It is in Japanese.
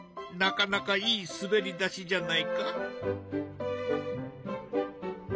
なかなかいい滑り出しじゃないか？